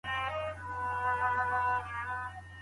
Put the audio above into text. متلونه په کتابونو کي نه کمېږي.